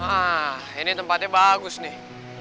wah ini tempatnya bagus nih